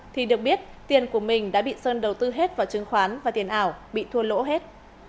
thì được biết tiền của mình đã bị sơn đầu tư hết vào chứng khoán và tiền ảo bị thua lỗ hết